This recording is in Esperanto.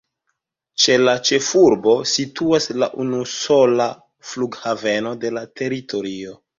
Ĉe la ĉefurbo situas la unusola flughaveno de la teritorio.